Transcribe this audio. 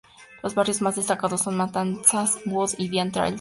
Los barrios más destacados son Matanzas Wood, Indian Trails.